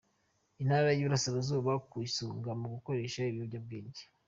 Intara y’Iburasirazuba ku isonga mu gukoresha ibiyobyabwenge